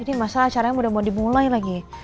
ini masa acaranya udah mau dimulai lagi